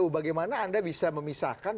bagaimana anda bisa memisahkan